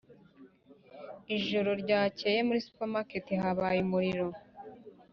ijoro ryakeye, muri supermarket habaye umuriro.